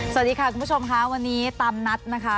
สวัสดีค่ะคุณผู้ชมค่ะวันนี้ตามนัดนะคะ